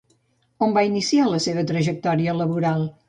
On va iniciar la seva trajectòria laboral?